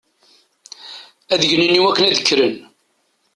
Ad gnen iwakken ad kkren.